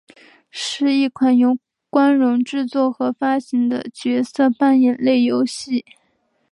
是一款由光荣制作和发行的角色扮演类游戏。